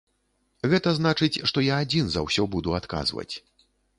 Гэта значыць, што я адзін за ўсё буду адказваць.